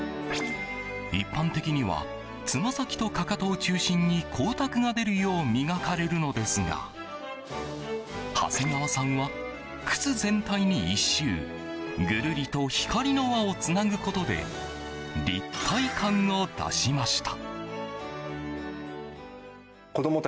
一般的にはつま先とかかとを中心に光沢が出るよう磨かれるのですが長谷川さんは靴全体に１周ぐるりと光の輪をつなぐことで立体感を出しました。